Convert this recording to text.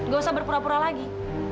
gak usah berpura pura lagi